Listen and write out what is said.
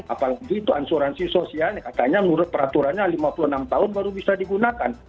apalagi itu asuransi sosialnya katanya menurut peraturannya lima puluh enam tahun baru bisa digunakan